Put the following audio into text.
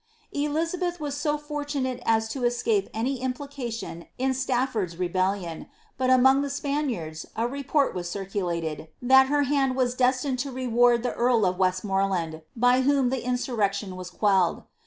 Elizabeth was so fortunate as to escape any implication in Stafford's rebellion, but among the Spaniards a report was circulated, that her hand was destined to reward the earl of Westmoreland, by whom the insurrection was quelled.